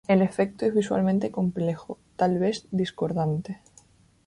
El efecto es visualmente complejo, tal vez discordante.